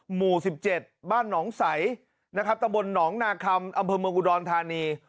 หมู่๑๗บ้านหนองใสนะครับตะบนหนองนาคัมอำเภอเมืองอุดรธานี